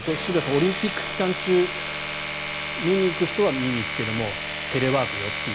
オリンピック期間中見に行く人は見に行くけれどもテレワークよという。